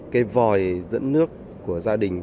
cái vòi dẫn nước của gia đình